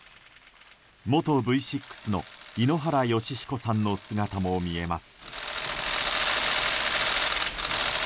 元Ｖ６の井ノ原快彦さんの姿も見えます。